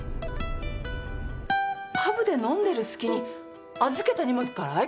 パブで飲んでるすきに預けた荷物から合い鍵を？